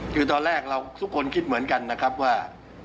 คือตอนแรกเราทุกคนคิดเหมือนกันนะครับว่า